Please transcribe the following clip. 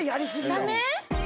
ダメ？